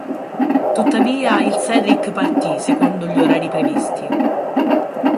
Tuttavia il "Cedric" partì secondo gli orari previsti.